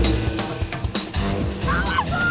mereka lagi yang main kan